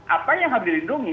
apa yang harus dilindungi